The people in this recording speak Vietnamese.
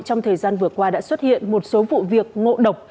trong thời gian vừa qua đã xuất hiện một số vụ việc ngộ độc